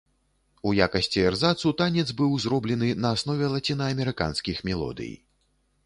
У якасці эрзацу танец быў зроблены на аснове лацінаамерыканскіх мелодый.